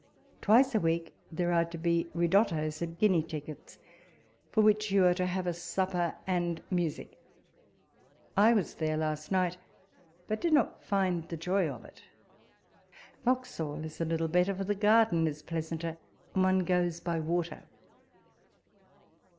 Twice a week there are to be Ridottos, at guinea tickets, for which you are to have a supper and music. I was there last night, but did not find the joy of it. "Vauxhall is a little better ; for the garden is plcasanter, and one goes by water.